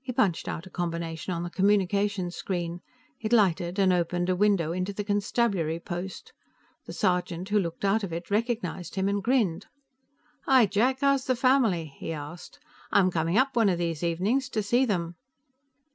He punched out a combination on the communication screen. It lighted and opened a window into the constabulary post. The sergeant who looked out of it recognized him and grinned. "Hi, Jack. How's the family?" he asked. "I'm coming up, one of these evenings, to see them."